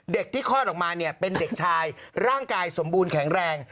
เด็กที่คลอดออกมาเนี่ยเป็นเด็กชายร่างกายสมบูรณ์แข็งแรง